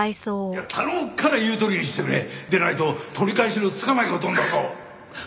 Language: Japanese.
頼むから言うとおりにしてくれ！でないと取り返しのつかない事になるぞ。